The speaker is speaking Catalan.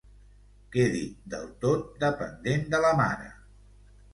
Quedi del tot dependent de la mare.